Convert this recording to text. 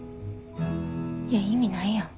いや意味ないやん。